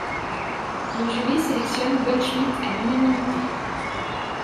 Le jury sélectionne Goldschmidt à l'unanimité.